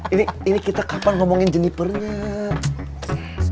ini ini kita kapan ngomongin jenipernya